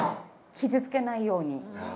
傷つけないように。